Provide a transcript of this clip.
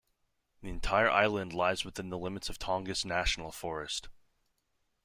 The entire island lies within the limits of Tongass National Forest.